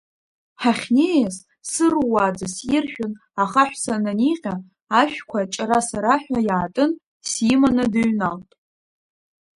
Ҳахьнеиз сырууаӡа сиршәын, ахаҳә сананиҟьа, ашәқәа аҷара-сараҳәа иаатын, симаны дыҩналт.